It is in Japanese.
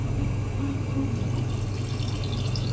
あらそうなの？